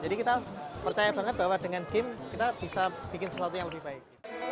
jadi kita percaya banget bahwa dengan game kita bisa bikin sesuatu yang lebih baik